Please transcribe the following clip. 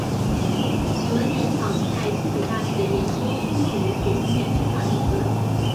许闻廉早期在西北大学的研究偏重于图形演算法的理论。